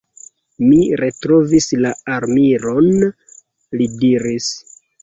Mi retrovis la armilon, li diris.